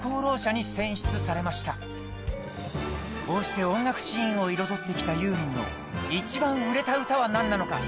こうして音楽シーンを彩ってきたユーミンの一番売れた歌は何なのか？